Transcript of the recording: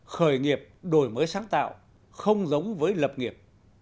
khởi nghiệp đổi mới sáng tạo không giống với lập nghiệp